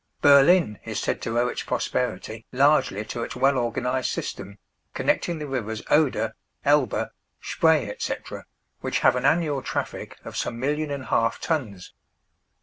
Berlin is said to owe its prosperity largely to its well organized system, connecting the rivers Oder, Elbe, Spree, &c., which have an annual traffic of some million and half tons.